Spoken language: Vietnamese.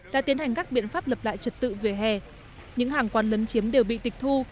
đã tiến hành các biện pháp lập lại trật tự về hè những hàng quán lấn chiếm đều bị tịch thu